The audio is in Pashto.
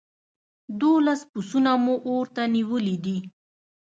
دوولس پسونه مو اور ته نيولي دي.